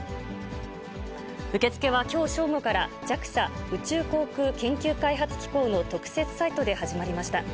受け付けは、きょう正午から、ＪＡＸＡ・宇宙航空研究開発機構の特設サイトで始まりました。